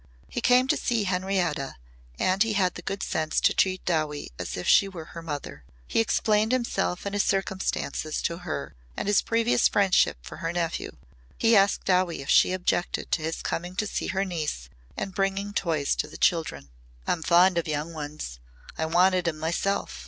He came to see Henrietta and he had the good sense to treat Dowie as if she were her mother. He explained himself and his circumstances to her and his previous friendship for her nephew. He asked Dowie if she objected to his coming to see her niece and bringing toys to the children. "I'm fond of young ones. I wanted 'em myself.